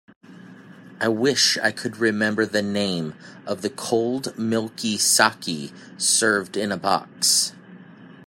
I wish I could remember the name of the cold milky saké served in a box.